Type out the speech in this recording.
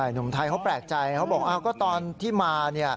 หนุ่มไทยเขาแปลกใจเขาบอกตอนที่มา